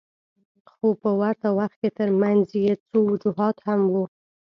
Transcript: خو په ورته وخت کې ترمنځ یې څو وجوهات هم وو.